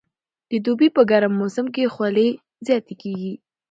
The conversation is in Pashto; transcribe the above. د دوبي په ګرم موسم کې خولې زیاتې کېږي.